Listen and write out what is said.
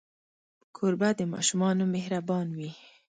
کوربه د ماشومانو مهربان وي.